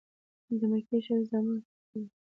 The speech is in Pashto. د مکې شریف زامنو څخه وو.